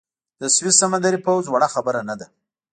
د سویس سمندري پوځ وړه خبره نه ده.